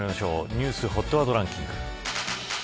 ニュースＨＯＴワードランキング